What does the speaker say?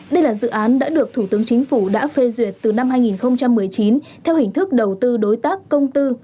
đây là dự án đã được thủ tướng chính phủ đã phê duyệt từ năm hai nghìn một mươi chín theo hình thức đầu tư đối tác công tư